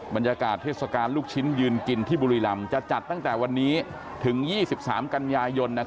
บรรยากาศเทศกาลลูกชิ้นยืนกินที่บุรีรำจะจัดตั้งแต่วันนี้ถึง๒๓กันยายน